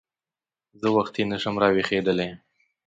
زه وختي نه شم راویښېدلی !